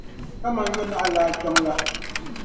kaman yo’ naɣilaa kpiɔŋ la.